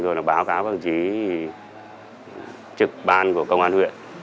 rồi là báo cáo các đồng chí trực ban của công an huyện